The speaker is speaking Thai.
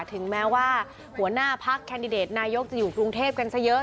ถึงแม้ว่าหัวหน้าพักแคนดิเดตนายกจะอยู่กรุงเทพกันซะเยอะ